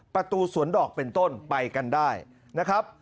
ประตูสวนดอกเป็นต้นไปกันได้นะครับ